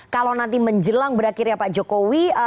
kalau nanti menjelang berakhirnya pak jokowi